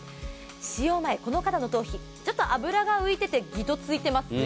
使用前はこの方の頭皮は脂が浮いていてぎとついています。